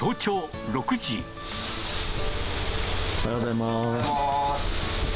おはようございます。